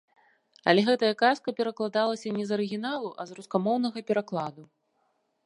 Але гэтая казка перакладалася не з арыгіналу, а з рускамоўнага перакладу.